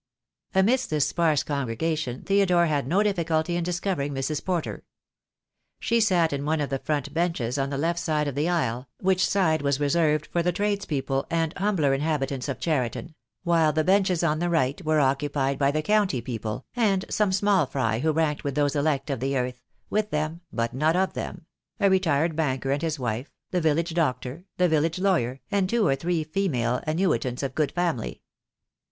Amidst this sparse congregation Theodore had no difficulty in discovering Mrs. Porter. She sat in one of the front benches on the left side of the aisle, which side was reserved for the tradespeople and humbler inhabitants of Cheriton; while the benches on the right were occupied by the county people, and some small fry who ranked with those elect of the earth — with them, but not of them — a retired banker and his wife, the village doctor, the village lawyer, and two or three female annuitants of good family.